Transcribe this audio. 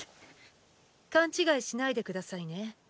勘違いしないで下さいね。